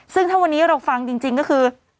ซึ่งถ้าวันนี้เราฟังจริงก็คือ